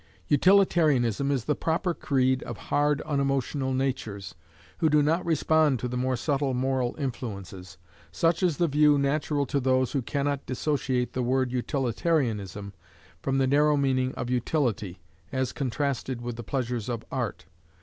Utilitarianism is the proper creed of hard unemotional natures, who do not respond to the more subtle moral influences. Such is the view natural to those who cannot dissociate the word "utilitarianism" from the narrow meaning of utility, as contrasted with the pleasures of art.